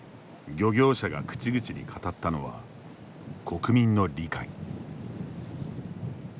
漁業者が口々に語ったのは国民の理解。